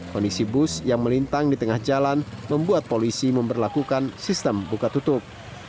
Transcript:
kondisi bus yang melintang di tengah jalan membuat polisi memperlakukan sistem buka tutup